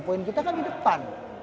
poin kita kan di depan